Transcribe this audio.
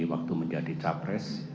waktu menjadi cawapres